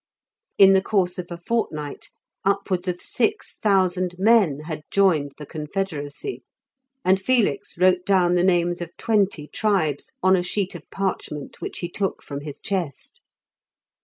In the course of a fortnight, upwards of six thousand men had joined the Confederacy, and Felix wrote down the names of twenty tribes on a sheet of parchment which he took from his chest.